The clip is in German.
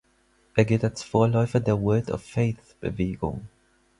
Er gilt als Vorläufer der "Word of Faith-Bewegung".